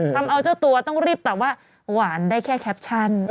ทำเอาเจ้าตัวต้องรีบตอบว่าหวานได้แค่แคปชั่น